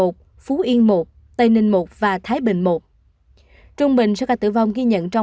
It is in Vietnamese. thừa thiên huế hai trăm năm mươi bảy